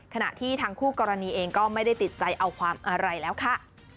ขณะที่ทางคู่กรณีเองก็ไม่ได้ติดใจเอาความอะไรแล้วค่ะ